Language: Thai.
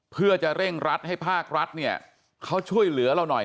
เพื่อจะเร่งรัดให้ภาครัฐเนี่ยเขาช่วยเหลือเราหน่อย